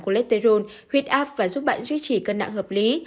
cô lét tê rôn huyết áp và giúp bạn duy trì cân nặng hợp lý